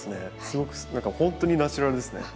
すごくほんとにナチュラルですね。